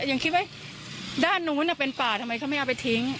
ยังคิดว่าด้านนู้นเป็นป่าทำไมเขาไม่เอาไปทิ้ง